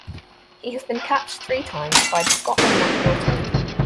He has been capped three times by the Scotland national team.